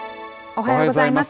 おはようございます。